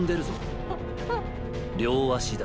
両足だ。